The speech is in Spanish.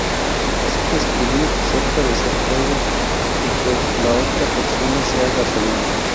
Así que escribí acerca de ser fuego y que la otra persona sea gasolina.